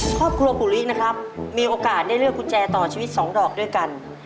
ครอบครัวปุรินะครับมีโอกาสได้เลือกกุญแจต่อชีวิต๒ดอกด้วยกัน